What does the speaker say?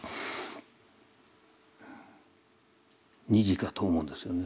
「２時か」と思うんですよね。